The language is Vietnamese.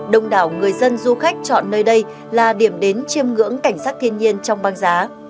đông đảo người dân du khách chọn nơi đây là điểm đến chiêm ngưỡng cảnh sát thiên nhiên trong băng giá